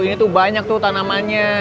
ini tuh banyak tuh tanamannya